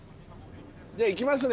じゃあ行きますね。